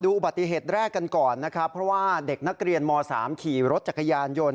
อุบัติเหตุแรกกันก่อนนะครับเพราะว่าเด็กนักเรียนม๓ขี่รถจักรยานยนต์